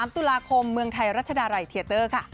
๓ตุลาคมเมืองไทยรัชดาลัยเทียเตอร์ค่ะ